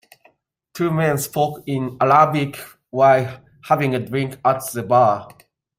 Two men spoke in Arabic while having a drink at the bar.